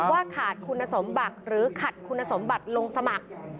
ว่าขาดคุณสมบัติหรือขัดคุณสมบัติลงสมัคร